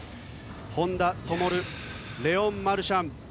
本多灯、レオン・マルシャン。